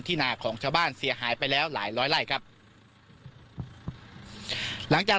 นาของชาวบ้านเสียหายไปแล้วหลายร้อยไล่ครับหลังจาก